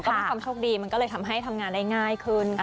ก็มีความโชคดีมันก็เลยทำให้ทำงานได้ง่ายขึ้นค่ะ